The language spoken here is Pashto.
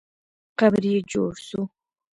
قبر یې جوړ سو.